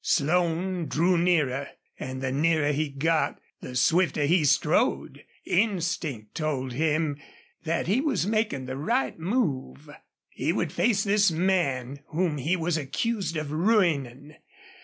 Slone drew nearer, and the nearer he got the swifter he strode. Instinct told him that he was making the right move. He would face this man whom he was accused of ruining.